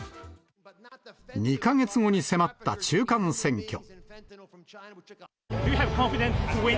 ２か月後に迫った中間選挙。